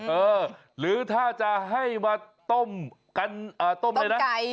เออหรือถ้าจะให้มาต้มกันเอ่อต้มอะไรนะต้มไก่